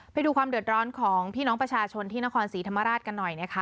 ไปดูความเดือดร้อนของพี่น้องประชาชนที่นครศรีธรรมราชกันหน่อยนะคะ